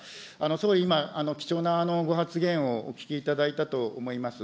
総理、今、貴重なご発言をお聞きいただいたと思います。